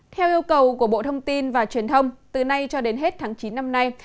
theo yêu cầu của bộ thông tin và truyền thông từ nay cho đến hết tháng chín năm nay